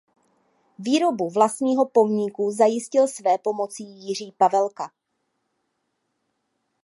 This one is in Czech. Výrobu vlastního pomníku zajistil svépomocí Jiří Pavelka.